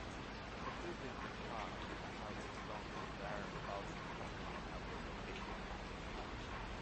A few business parks have been founded, where a lot of companies have located.